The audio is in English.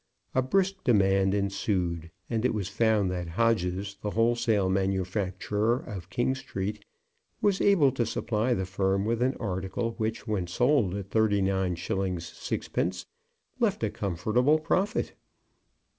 A brisk demand ensued, and it was found that Hodges, the wholesale manufacturer, of King Street, was able to supply the firm with an article which, when sold at 39_s._ 6_d._, left a comfortable profit.